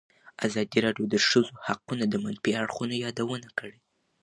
ازادي راډیو د د ښځو حقونه د منفي اړخونو یادونه کړې.